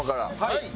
はい。